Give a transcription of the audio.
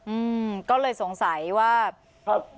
อืมก็เลยสงสัยว่าฮะ